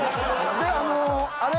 であのあれ。